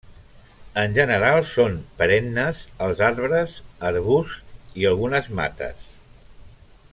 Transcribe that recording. En general són perennes els arbres, arbusts i algunes mates.